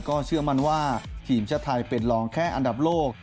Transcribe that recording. เชื่อมั่นว่าทีมชาติไทยเป็นรองแค่อันดับโลก